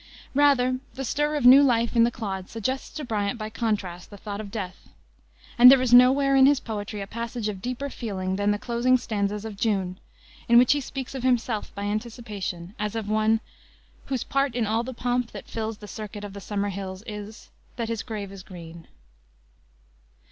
Rather, the stir of new life in the clod suggests to Bryant by contrast the thought of death; and there is nowhere in his poetry a passage of deeper feeling than the closing stanzas of June, in which he speaks of himself, by anticipation, as of one "Whose part in all the pomp that fills The circuit of the summer hills Is that his grave is green."